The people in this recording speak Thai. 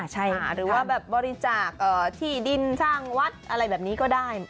หรือว่าบริจากที่ดินช่างวัดอะไรแบบนี้ก็ได้